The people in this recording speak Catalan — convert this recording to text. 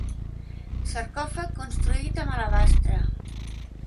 Sarcòfag construït amb alabastre.